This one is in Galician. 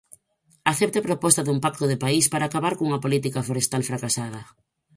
Acepte a proposta dun pacto de país para acabar cunha política forestal fracasada.